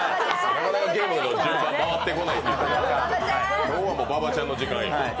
なかなかゲームの順番回ってこなかったけど今日は馬場ちゃんの時間よ。